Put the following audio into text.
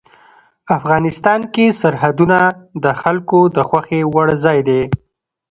افغانستان کې سرحدونه د خلکو د خوښې وړ ځای دی.